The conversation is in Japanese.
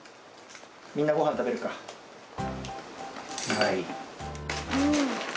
はい。